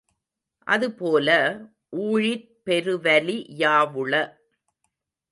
அதுபோல, ஊழிற் பெருவலி யாவுள?